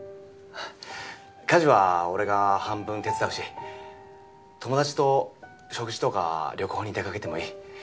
家事は俺が半分手伝うし友達と食事とか旅行に出かけてもいい。